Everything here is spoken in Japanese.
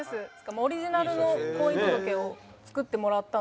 オリジナルの婚姻届を作ってもらったんですけど。